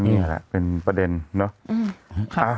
นี่แหละเป็นประเด็นเนอะ